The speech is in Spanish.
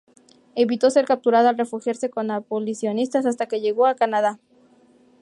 Evitó ser capturada al refugiarse con abolicionistas hasta que llegó a Canadá.